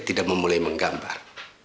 tidak memulai menggambar